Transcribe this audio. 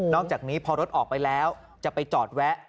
อกจากนี้พอรถออกไปแล้วจะไปจอดแวะ